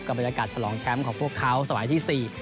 บรรยากาศฉลองแชมป์ของพวกเขาสมัยที่๔